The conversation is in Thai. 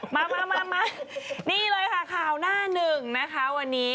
มามานี่เลยค่ะข่าวหน้าหนึ่งนะคะวันนี้